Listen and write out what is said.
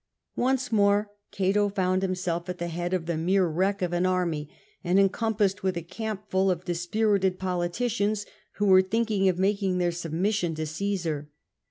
Once more Oato found himself at the head of the mere wreck of an army, and encompassed with a campful of dispirited politicians who were thinking of making their submission to Caesar.